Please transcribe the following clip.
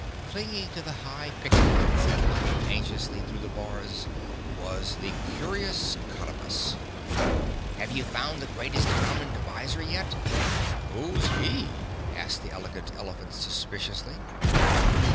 Clinging to the high picket fence and looking anxiously through the bars was the Curious Cottabus. "Have you found the Greatest Common Divisor yet?" "Who's he?" asked the Elegant Elephant suspiciously.